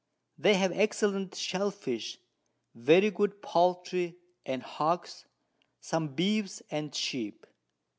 They have excellent Shell fish, very good Poultry and Hogs, some Beeves and Sheep.